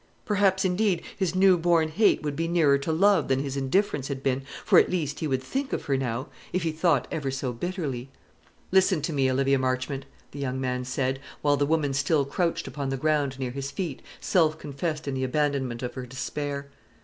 Perhaps, indeed, his new born hate would be nearer to love than his indifference had been, for at least he would think of her now, if he thought ever so bitterly. "Listen to me, Olivia Marchmont," the young man said, while the woman still crouched upon the ground near his feet, self confessed in the abandonment of her despair.